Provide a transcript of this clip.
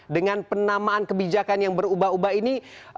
dengan penamaan kebijakan yang berubah ubah ini